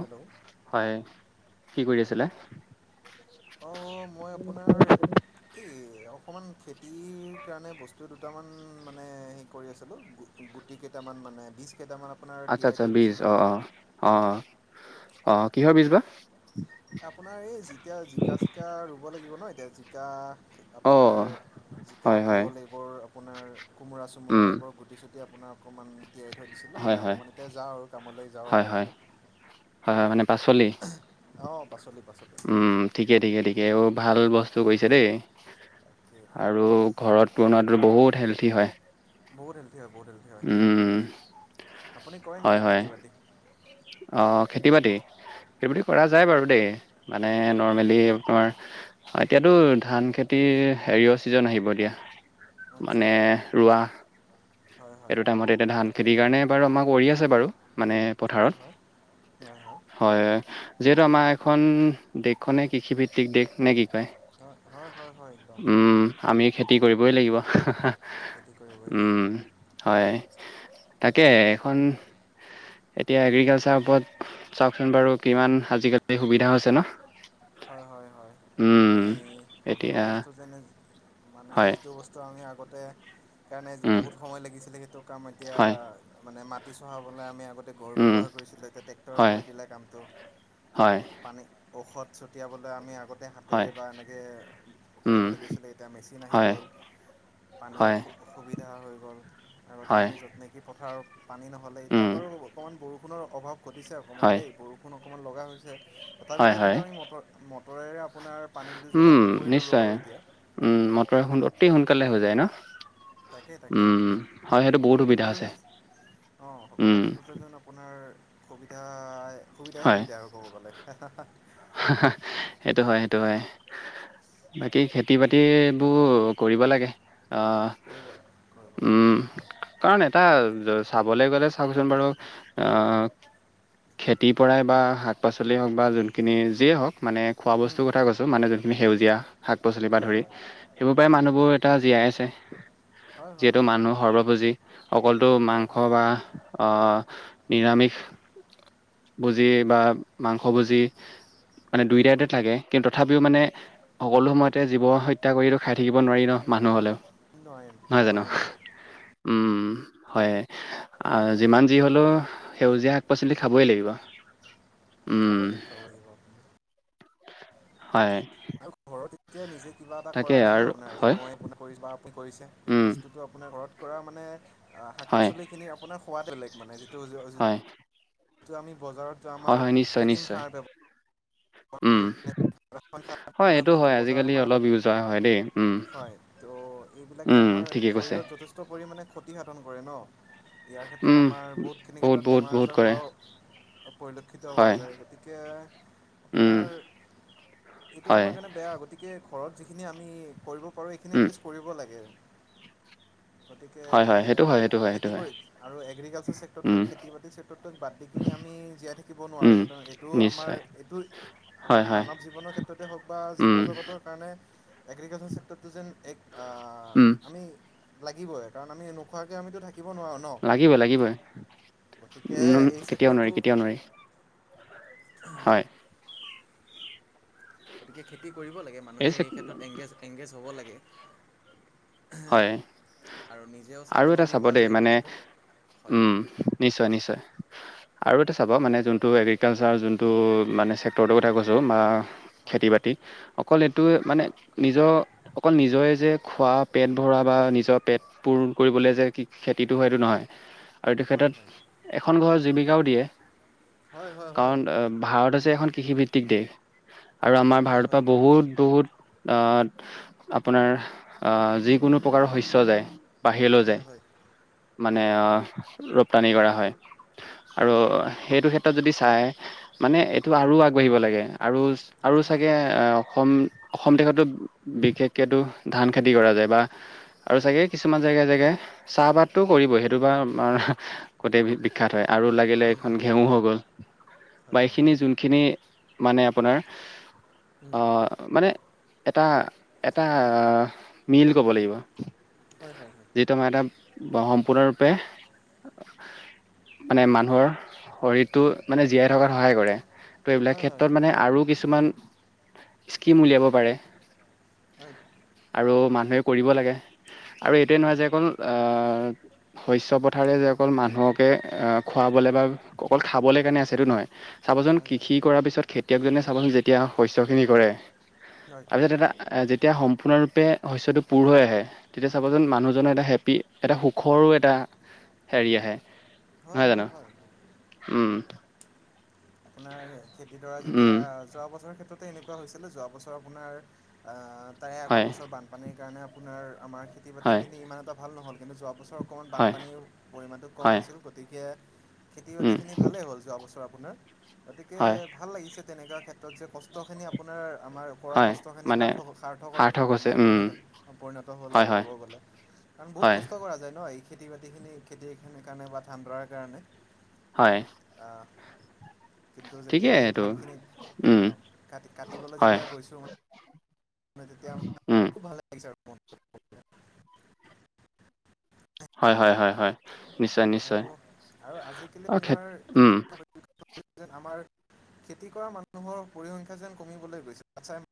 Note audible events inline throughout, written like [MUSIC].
Hello হয়, কি কৰি আছিলে? অ', অ', মই আপোনাৰ এই অকমান খেতিৰ কাৰণে বস্তু দুটামান মানে হেই কৰি আছিলোঁ। গুটি কেইটামান মানে বীজ কেইটামান আপোনাৰ আচ্ছা তিয়াই আচ্ছা থৈ বীজ দিছিলোঁ। অ অ অ', অ', কিহৰ বীজ বা? আপোনাৰ এই যেতিয়া জিকা চিকা ৰুব লাগিব ন এতিয়া জিকা অ আপোনাৰ জিকা হয় হয় ভোল এইবোৰ, আপোনাৰ কোমোৰা চোমোৰা উম এইবোৰ গুটি চুট টি আপোনাৰ অকমান তিয়াই থৈ দিছিলোঁ হয় মানে হয় এতিয়া যাওঁ আৰু কামলৈ যাওঁ হয় আৰু হয় আপুনাৰ। হয়, হয় মানে পাচলি? অ', পাচলি, পাচলি। উম ঠিকে ঠিকে ঠিকে, অ' ভাল বস্তু কৈছে দেই। অ'। আৰু ঘৰত বনোৱাটো বহুত হেলদি হয়। বহুত হেলদি হয়, বহুত হেলদি হয়। উম আপুনি কৰে হয় নেকি হয় খেতি বাতি? অ' খেতি বাতি, খেতিকৰা যায় বাৰু দেই। মানে নৰ্মেলি অঁ তোমাৰ এতিয়াতো ধান খেতি হেৰিয়ৰ ছিজন আহিব এতিয়া। আচ্ছা মানে ৰোৱা, হয় হয় এইটো টাইমত এতিয়া ধান খেতিৰ কাৰণে বাৰু আমাৰ কৰি আছে বাৰু। মানে পথাৰত হয় হয়, হয় হয়। হয়, যিহেতু আমাৰ এইখন দেশখনে কৃষি ভিত্তিক দেশ নেকি। হয় হয় হয় হয় একদম উম, আমি খেতি কৰিবই লাগিব। খেতি কৰিবই উম। লাগিব হয়, তাকে এখন এতিয়া এগ্ৰিকালচাৰ ওপৰত চাওকচোন বাৰু কিমান আজিকালি সুবিধা হৈছে ন'। হয় হয় হয়, উম আমি সকলো এতিয়া বস্তু যেনে মানে হয় যিটো বস্তু টো আমি আগতে, সেইকাৰণে উম বহুত সময় লাগিছিলে সেইটো কাম এতিয়া হয় মানে মাটি চহাবলৈ আমি আগত তে গৰু উম ব্যৱহাৰ কৰিছিলোঁ এতিয়া ট্ৰেক্টৰে হয় কৰি দিলে কামটো, হয় পানী, ঔষধ চ চটিয়াবলে আমি আগতে হয় হাতেৰে বা এনেকে উম কৰিব লাগিছিলে এতিয়া মেচিন আহি হয় গ'ল। পানীৰ হয় অসু-সুবিধা হৈ গ'ল, আগতে হয় আমি য'ত নেকি পথাৰত পানী নহ'লে, এতিয়া উম বাৰু অকণমান বৰষুণৰ অভাৱ ঘটিছে অকণমান হয় দেই, বৰষুণ অকমান লগা হৈছে। হয় তথাপিতো হয় কিন্তু আমি মটৰ, মটৰেৰে আপোনাৰ পানীটোৰ উম যোগানটো কৰি ল'লোঁ নিশ্চয় বাৰু এতিয়া। উম, মটৰে সোন অতি সোনকালে হৈ যায় ন'? তাকে তাকে উম আপোনাৰ, হয় সেইটো বহুত সকলো সুবিধা ক্ষেত্ৰতে হৈছে অ' উম, সকলো ক্ষেত্ৰতে যেন আপোনাৰ, সুবিধাই, সুবিধাই হয়। সুবিধা আৰু ক'ব গ'লে। সেইটো হয়, সেইটো হয়। বাকী খেতি বাতিবোৰ কৰিব লাগে। কৰিব কৰিব অ' লাগে কৰিব উম। লাগে কাৰণ এটা চাবলৈ গ'লে চাওকচোন বাৰু আহ খেতিৰ পৰাই বা শাক পাচলি হওঁক বা যোন কিনি যিয়ে হওঁক, মানে খোৱা উম, বস্তুৰ কথা কৈছোঁ মানে যোনখিনি সেউজীয়া শাক পাচলি পৰা হয় ধৰি হয় সেইবোৰ পৰাই মানুহবোৰ এতিয়া জীয়াই আছে। হয় হয় যিহেতু হয় মানুহ সৰ্বভোজি, অকলতো হয় মাংস হয় বা অ' নিৰামিষ ভোজি বা, মাংস ভোজি মানে দুইটাতে থাকে কিন্তু তথাপিও মানে সকলো সময়তে জীৱ হত হত্যা কৰিটো খাই থাকিব নোৱাৰি ন' মানুহ হ'লেও নোৱাৰিম নহয় জানো। নোৱাৰিম নোৱাৰিম উম, হয় আ, যিমান যি হ'লেও সেউজীয়া শাক পাচলি খাবই লাগিব। উম খাবই লাগিব, খাবই লাগিব। হয়। আৰু ঘৰতে এতিয়া নিজে কিবা এটা তাকে কৰা নাই ন' আৰু আপোনাৰ, এতিয়া হয় মই [UNINTELLIGIBLE] কৰিছোঁ বা আপুনি কৰিছে, উম সেইটো বস্তুতটো আপোনাৰ ঘৰত কৰা মানে আহ, শাক হয় পাচলিখিনি আপোনাৰ সোৱাদ বেলেগ মানে যিটো হয়। যিটো আমি বজাৰত হয় আমাৰ হয় নিশ্চয় কৃতিম নিশ্চয় সাৰ ব্যৱহাৰ উম। কৰি [UNINTELLIGIBLE] হয় এইটো [UNINTELLIGIBLE] হয় বজাৰত আজিকালি আমাৰ, অলপ ইউজ হোৱা হয় দেই উম হয়, ত এইবিলাকে উম আমাৰ ঠিকে কৈছে শৰীৰত যথেষ্ট ষ্ট পৰিমাণে ক্ষতিসাধন কৰে ন? ইয়াৰ ক্ষেত্ৰত উম আমাৰ বহুতখিনি বহুত ক্ষেত্ৰত বহুত বহুত বেমাৰ-আজাৰ কৰে হোৱাও অ', পৰিলক্ষিত হোৱা হয় যায়। গতিকে উম আপোনাৰ এইটো হয় আমাৰ কাৰণে বেয়া গতিকে ঘৰত যিখিনি আমি কৰিব পাৰোঁ, এইখিনি উম এটলিষ্ট কৰিব লাগে। গতিকে হয় হয় সেইটো হয় সেইটো হয় সেইটো খেতি হয় কৰি আৰু এগ্ৰিকালচাৰ উম চেক্টৰটোক, খেতি-বাতি চেক্টৰটোক বাদ দি কিনি আমি জীয়াই থাকিব উম নোৱাৰোঁ। বৰ্তমান হেইটো নিশ্চয় আমাৰ হেইটো হয় কাৰণ হয় মানৱ জীৱনৰ ক্ষেত্ৰতে হওঁক বা জীৱ উম জগতৰ কাৰণে, এগ্ৰিকালচাৰ চেক্টৰটো যেন এক উম, আ-আমি, লাগিবই কাৰণ আমি নোখোৱাকে আমিতো থাকিব নোৱাৰোঁ ন লাগিবই, লাগিবই। উহু, কেতিয়াও গতিকে এই নোৱাৰি, ছেক্টৰটো কেতিয়াও নোৱাৰি। হয় [INAUDIBLE] গতিকে খেতি কৰিব লাগে মানুহে এই ক্ষেত্ৰত এংগেজ-এংগেজ হ'ব লাগে। হয় [UNINTELLIGIBLE] আৰু নিজেও আৰু এটা স্বাৱলম্বী চাব হোৱা দেই যায় এইটো মানে ক্ষেত্ৰত। হয়। উম, নিশ্চয়, নিশ্চয়। আৰু এটা চাবা মানে যোনটো এগ্ৰিকালচাৰ যোনটো মানে চেক্টৰটোৰ কথা কৈছোঁ বা হয় খেতি-বাতি অকল এইটোৱে মানে নিজৰ অকল নিজৰে যে খোৱা পেট ভৰা বা নিজৰ পেট পূৰণ কৰিবলৈ যে খে-খেতিটো হেটো নহয়। আৰু এইটো হয় হয় ক্ষেত্ৰত এখন ঘৰৰ জীৱিকাও দিয়ে। হয় হয় হয় কাৰণ ভাৰত হৈছে এখন কৃষিভিত্তিক দেশ আৰু হয় আমাৰ হয় ভাৰতৰ হয় পৰা বহুত বহুত আ, আপোনাৰ আ যিকোনো প্ৰকাৰৰ শস্য যায়। বাহিৰলৈ হয় যায় হয় মানে আ ৰপ্তানি কৰা হয়। আৰু সেইটো ক্ষেত্ৰত যদি চায় মানে এইটো আৰু আগবাঢ়িব লাগ। আৰু আৰু হয় হয় চাগে হয় অ-অসম, অসম দেশতো বিশেষকেটো ধান খেতি কৰা যায়। বা আৰু হয় চাগে কিছুমান জেগাই জেগাই চাহপাতো কৰিবই সেইটো বা আমাৰ গোতেই বি-বিখ্যাত হয় আৰু লাইক থাকিলে উম এইখন হুম হুম ঘেঁহু হৈ গ'ল বা হয় হয় এইখিনি যোনখিনি মানে আপোনাৰ উম অ', মানে এটা-এটা মিল ক'ব লাগিব। হয়, হয়, হয়। যিটো মই এটা [UNINTELLIGIBLE] মানে মানুহৰ শৰীত টো মানে জীয়াই থকাত সহায় কৰে। ত এইবিলাক হয় ক্ষেত্ৰত মানে আৰু কিছু কিছুমান স্কীম উলিয়াব পাৰে। হয়। আৰু মানুহে কৰিব লাগে। আৰু এইটোৱে নহয় যে অকল আহ শস্য পথাৰে যে অকল মানুহকে আ খুৱাবলে বা অকল খাবলে কাৰণে আছেটো সেইটো নহয়। চাবচোন হয় কৃষি কৰাৰ পিছত খেতিয়কজনে যেতিয়া শস্য খিনি কৰে হয় তাৰপিছত এটা এ যেতিয়া সম্পূৰ্ণৰূপে শস্যটো পূৰ হৈ আহে তেতিয়া চাব হয় যেন মানুহজনৰ এটা হেপী এটা সুখৰো এটা হেৰি আহে। নহয় হয় জানো? হয় হয় উম। আপোনাৰ খেতিডৰা উম যেতিয়া যোৱা বছৰৰ ক্ষেত্ৰতে এনেকুৱা হৈছিনে? যোৱা বছৰ আপোনাৰ তাৰে আগৰ হয় বছৰ বানপানীৰ কাৰণে আপোনাৰ আমাৰ হয়, খেতি-বাতিখিনি ইমান এটা ভাল ন'হল। কিন্তু যোৱা বছৰ অকণমান হয়, বানপানীৰ পৰিমাণটো কম হয়, নাছিল গত দিকে খেতি উম, বাতিখিনি ভালেই হ'ল যোৱা বছৰ আপোনাৰ গতিকে হয়, ভাল লাগিছে তেনেকুৱা ক্ষেত্ৰত যে কষ্টখিনি আপোনাৰ আমাৰ কৰা হয়, কষ্টখিনি মানে সাৰ্থক-সাৰ্থকত সাৰ্থক হৈছে, মানে উম, পৰিণত- পৰিণত হ'ল হয়, আৰু হয়, ক'ব গ'লে। কাৰণ বহুত হয়, কষ্ট কৰা যায় ন'এই খেতি বাতিখিনি খেতিৰ কাৰণে বা ধান ৰোৱা কাৰণে। হয়। অ', কিন্তু যেতিয়া ঠিকেই এই এইটো, ধানখিনি উম, অ' কাটি -কাটিবলৈ হয়, যেতিয়া গৈছোঁ মই [UNINTELLIGIBLE] উম, খুব ভাল লাগিছে আৰু মন। হয়, হয়, হয়, হয় নিশ্চয়, আৰু নিশ্চয় আৰু আজিকালি অ' খেত আপোনাৰ উম, [UNINTELLIGIBLE] আমাৰ খেতি কৰা মানুহৰ পৰিসংখ্যা যেন কমিবলৈ গৈছে [UNINTELLIGIBLE]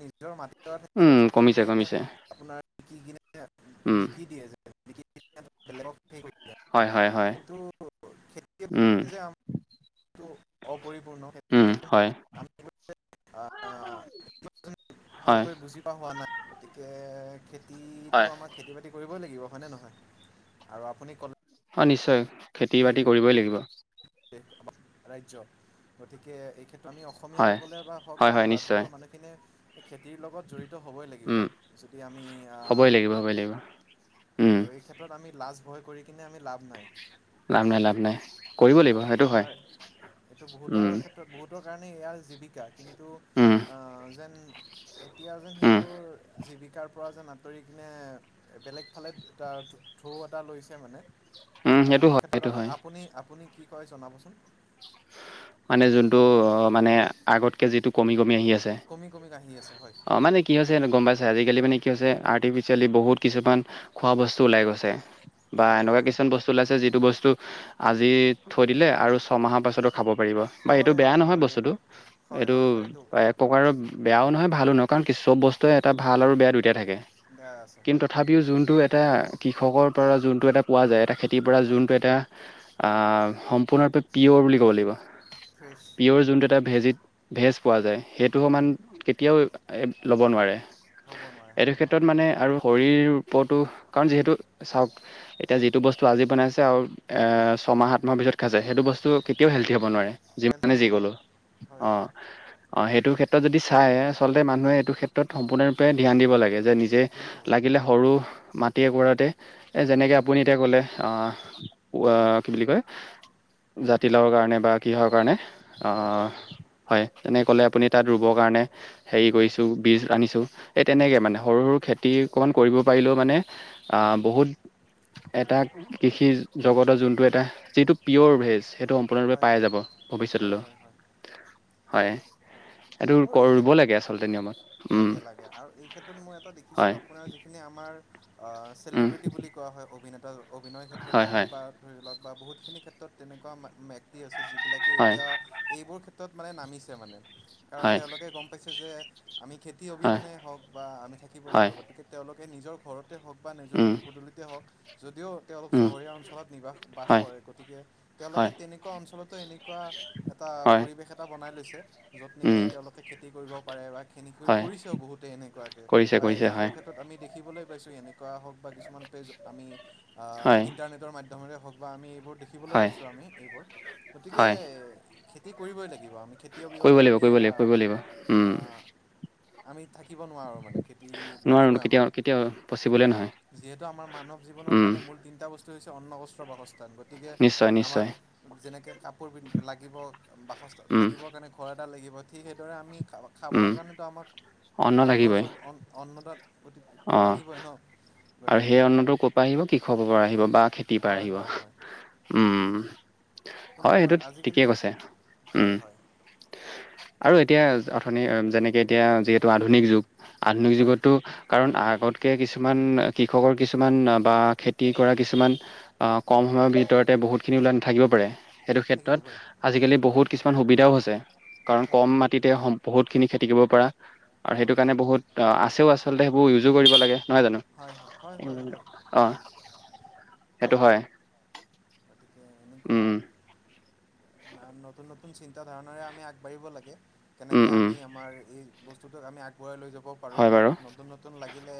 নিজৰ মাটিডৰা উম, থাকিলেও যেন কমিছে, মানুহে কমিছে, আপোনাৰ বিকি কিনে উম, বিকি দিয়ে যে [UNINTELLIGIBLE] বেলেগক হেই হয়, হয়, হয়, কিন্তু খেতি উম, [UNINTELLIGIBLE] অপৰিপূৰ্ণ উম, হয়, [UNINTELLIGIBLE] হয়, ভালকৈ বুজি পা হোৱা নাই। গতিকে হয়, খেতিটো আমাক খেতি-বাতি কৰিবই লাগিব হয়নে নহয় আৰু আপুনি কল অ'নিশ্চয় খেতি-বাতি কৰিবই লাগিব। [UNINTELLIGIBLE] ৰাজ্য গতিকে এই ক্ষেত্ৰত আমি অস হয়, অসমীয়াসকলেই বা হওক হয়, বা আমি হয়, নিশ্চয়, ভাৰতবৰ্ষৰ মানুহখিনিয়ে এই খেতিৰ লগত জড়িত হ'বই লাগিব উম, যদি আমি আ হ'বই লাগিব, হ'বই লাগিব, উম, আৰু এই ক্ষেত্ৰত আমি লাজ ভয় কৰি কিনে আমি লাভ নাই। লাম নাই লাভ নাই। কৰিব লাগিব, কাৰণ এইটো সেইটো হয়, আমাৰ এইটো বহুতৰ উম, ক্ষেত ত্ৰট বহুতৰ কাৰণে এয়া জীৱিকা কিন্তু উম, অ'যেন এতিয়া যেন উম, সেইবোৰ জীৱিকা পৰা যেন আঁতৰি কিনে বেলেগ ফালে দুটা ঢৌ এটা লৈছে মানে উম, সেইটো অ'এই হয়, ক্ষেত্ৰত সেইটো হয়। আপ-আপুনি কি কয় জনাবচোন। মানে যোনটো অ'মানে আগতকে যিটো কমি, কমি আহি আছে। কমি, কমি কাঁহি আছে হয়। অ' মানে কি হৈছে এনে গম পাইছে আজিকালি মানে কি হৈছে আৰ্টিফিচিয়েলি বহুত কিছুমান খোৱা বস্তু ওলাই গৈছে বা হয় এনেকুৱা হয় কিছুমান বচ বস্তু চলাইছে যিটো বস্তু আজি থৈ দিলে আৰু ছমাহৰ পাছতো খাব পাৰিব। হয় এইটো বেয়া নহয় বস্তুটো হয় এইটো হয় হয় প্ৰকাৰৰ বেয়াও নহয় ভালো নহয় কাৰণ কি চব বস্তুৱে এটা ভাল আৰু বেয়া দুইটাই থাকে বেয়া আছে কিন্তু হয় তথাপ পিও যোনটো এটা কৃষকৰ পৰা যোনটো এটা পোৱা যায় এটা খেতিৰ পৰা হয় যোনটো এটা আ সম্পূৰ্ণৰূপে পিয়ৰ বুলি ক'ব লাগিব ফ্ৰেছ পিঅৰ যোনটো এটা ভেজিত ভেজ পোৱা যায় সেইটো সমান হয় কেতিয়াও এ ল'ব নোৱাৰে। হ'ব নোৱাৰে হ'ব এইটো ক্ষেত্ৰত নোৱাৰে মানে আৰু শৰীৰ ওপৰতো কাৰণ যিহেতু চাওক এতিয়া যিটো বস্তু আজি বনাইছে আৰু এ ছমাহ, সাত মাহ ভিতৰত খাইছে সেইটো বস্তু কেতিয়াও হেল্থী হ'ব নোৱাৰে হেল্ডি যিমানে যি হ'ব ক'লো নোৱাৰে হয় হয় অ'। অ' সেইটো ক্ষেত্ৰত যদি চাই আচলতে মানুহে এইটো ক্ষেত্ৰত সম্পূৰ্ণৰূপে ধ্যান দিব লাগে যে নি যে ধ্যান দিব লাগে লাগিলে সৰু মাটি একোৰাতে এ যেনেকে আপুনি এতিয়া ক'লে অহ উৱা কি বুলি কয় জাতিলাওৰ কাৰণে বা কিহৰ কাৰণে হয় অ' হয় হয় হয়, তেনে ক'লে আপুনি তাত ৰুব কাৰণে। হেৰি হয় কৰিছোঁ বীজ আনিছোঁ এই তেনেকে হয় মানে সৰু, সৰু খেতি অকণমান কৰিব পাৰিলেও মানে আহ, বহুত এটা কৃষি জগতৰ যোনটো এটা যিটো পিয়'ৰ ভেজ। সেইটো সম্পূৰ্ণৰূপে হয় পাই হয় যাব, হয় হয় ভৱিষ্যতলৈ, হয় হয় হয়। হয়। এইটো কৰ, ৰুব লাগে আচলতে নিয়মত। উম, লাগে-লাগে আৰু এই ক্ষেত্ৰত মই এটা দেখিছোঁ, হয় আপোনাৰ যিখিনি আমাৰ আহ, উম, চেলিব্ৰিটি বুলি কোৱা হয়, অভিনেতা অভিনয় ক্ষেত্ৰতে হয় হওক হয় বা ধৰি লওক বা বহুতখিনি ক্ষেত্ৰত তেনেকুৱা ব্যক্তি আছে, যিবিলাকে হয় এতিয়া এইবোৰ ক্ষেত্ৰত মানে নামিছে মানে, কাৰণ হয় তেওঁলোকে গম পাইছে যে আমি খেতি হয় অবিহনেই হওক বা আমি থাকিব হয় নোৱাৰোঁ, গতিকে তেওঁলোকে নিজৰ ঘৰতে হওক বা নিজৰ উম, পদূলিতে হওক, যদিও তেওঁলোক উম, চহৰীয়া অঞ্চলত নিবাহ বাস হয় কৰে, গতিকে তেওঁলোকে হয় তেনে অঞ্চলতো এনেকুৱা এটা হয় পৰিবেশ এটা বনাই লৈছে, যত নেকি উম, তেওঁলোকে খেতি কৰিব পাৰে, বা খেতি হয় কৰিছেও বহুতে এনেকুৱাকে, কৰিছে বা কৰিছে এনেকুৱা হয় ক্ষ্ৰত ত আমি দেখিবলৈ পাইছোঁ, এনেকুৱা হক বা কিছুমান পেজ আমি আহ, হয় ইন্টাৰনেট মধ্য মৰে হওক বা আমি এইবোৰ দেখিবলৈ হয় পাইছোঁ, আমি এইবোৰ গতিকে হয় খেতি কৰিবয়েই লাগিব, আমি খেতি কৰিব অবিহনে লাগিব আমি কৰিব লাগিব আহ, কৰিব লাগিব উম। আহ আমি থাকিব নোৱাৰোঁ মানে, খেতি লাগিবই আমাক। ক প [UNINTELLIGIBLE] যিহেতু আমাৰ মানৱ জীৱনৰ উম কাৰণে মূল তিনিটা বস্তু হৈছে, অন্নগস্ৰ বাসস্থান, গতিকে নিশ্চয় আমাক নিশ্চয় যেনেকে কাপোৰ পিন, লাগিব, বাসস্থ উম থাকিবৰ কাৰণে ঘৰ এটা লাগিব। ঠিক সেইদৰে আমি খ, খাবৰ উম কাৰণেতো আমাক অন্ন যুগ অন্নদাত অতিক্ত অ লাগিবই ন'। আৰু গতিকে সেই অন্নটো ক'ৰ পৰা আহিব, কি কৃষক পৰা আহিব বা খেতিৰ পৰা হয় আহিব, হয় হয় উম। কিন্তু হয়, সেইটো আজিকালি ঠিকেই যে কৈছে, হয় উম। হয় আৰু এতিয়া অথনি যেনেকে এতিয়া যিহেতু আধুনিক যুগ। আধুনিক হয় যুগতো কাৰণ আগতকে কিছুমান কৃষকৰ কিছুমান বা খেতি কৰা কিছুমান আ, কম সময়ৰ ভিতৰতে বহুতখিনি ওলাই নাথাকিব পাৰে। সেইটো থাকিব ক্ষেত্ৰত পাৰে আজিকালি বহুত কিছুমান সুবিধাও হৈছে, কাৰণ হয় কম মাট টিতে সম, বহুতখিনি খেতি কৰিব পাৰা, আৰু অঁ সেইটো কাৰণে বহুত অ', আছেও আচলতে সেইবোৰ ইউজো কৰিব লাগে, নহয় জানো? হয়, হয়। হয় হয় হয় [UNINTELLIGIBLE] অ', সেইটো হয়। [UNINTELLIGIBLE] এনেকুৱা উম নতুন-নতুন চিন্তা ধাৰণাৰে আমি আগবাঢ়িব লাগে, উম কেনেকে উম আমি আমাৰ এই বস্তুটোক আমি আগবঢ়াই লৈ যাব পাৰোঁ, হয় বাৰু নতুন-নতুন লাগিলে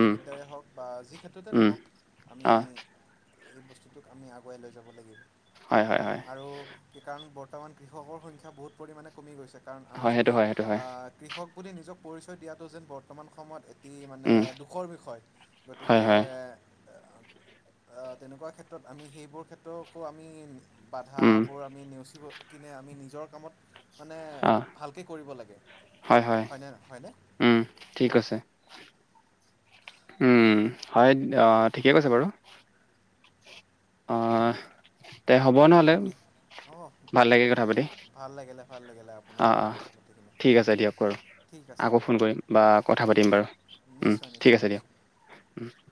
উম হওক, বা যি ক্ষেত্ৰতে উম নহওক, আমি অ এই বস্তুটোক আমি আগুৱাই লৈ যাব লাগিব। হয়, হয়, হয়। আৰু কি কাৰণ বৰ্তমান কৃষকৰ সংখ্যা বহুত পৰিমাণে কমি গৈছে, কাৰণ হয় আমি সেইটো যদি হয় সেইটো হয় আ, কৃষক বুলি নিজক পৰিচয় দিয়াটো যেন বৰ্তমান সময়ত অতি মানে উম দূষৰ বিষয়, হয় গতিকে হয় আ, তেনেকুৱা ক্ষেত্ৰত আমি সেইবোৰ ক্ষেত্ৰকো আমি উম বাধাবোৰ আমি নেওচিব কিনে আমি নিজৰ কামত মানে অ ভালকে কৰিব লাগে, হয় হয় হয়নে, হয়নে? উম, ঠিক আছে। উম, হয় অ' ঠিকে কৈছে বাৰু। অহ, তে হ'ব নহ'লে। বাকী অঁ ভাল লাগিল কথা তাকে পাতি। তাকে ভাল লাগিলে ভাল লাগিলে আপোনাৰ অ' লগত অ' কথা পাতি কিনে ঠিক আছে দিয়ক বাৰু। ঠিক আছে আকৌ দিয়ক ফোন অঁ কৰিম বা কথা ঠিক পাতিম আছে বাৰু। উম নিশ্চয়, ঠিক নিশ্চয়, নিশ্চয়। [UNINTELLIGIBLE]